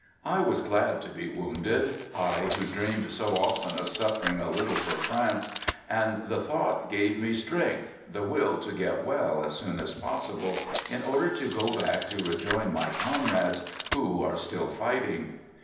I was glad to be wounded, I, who dreamed so often of suffering a little for France, and the thought gave me strength, the will to get well as soon as possible, in order to go back to rejoin my comrades who are still fighting.